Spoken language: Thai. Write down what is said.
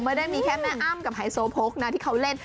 ไม่ได้มีแค่แม่อ้ำกับไฮโซโพกนะที่เขาเล่น